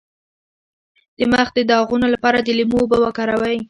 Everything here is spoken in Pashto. د مخ د داغونو لپاره د لیمو اوبه وکاروئ